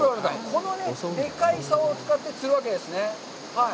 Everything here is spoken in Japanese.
このでかいさおを使って釣るわけですね。